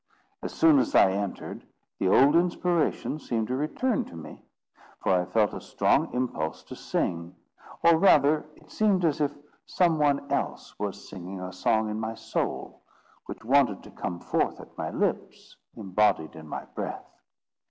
As soon as I entered, the old inspiration seemed to return to me, for I felt a strong impulse to sing; or rather, it seemed as if some one else was singing a song in my soul, which wanted to come forth at my lips, imbodied in my breath.